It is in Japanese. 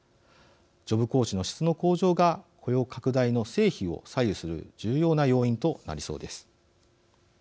ジョブコーチの質の向上が雇用拡大の成否を左右する重要な要因となりそうです。